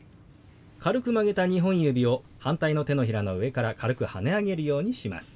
軽く曲げた２本指を反対の手のひらの上から軽くはね上げるようにします。